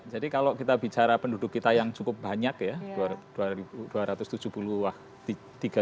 jadi kalau kita bicara penduduk kita yang cukup banyak ya